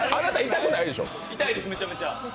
痛いです、めちゃめちゃ。